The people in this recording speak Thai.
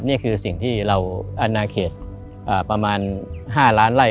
นี่คือสิ่งที่เราอนาเขตประมาณ๕ล้านไล่